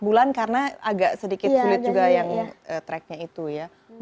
enam bulan karena agak sedikit sulit juga yang tracknya itu ya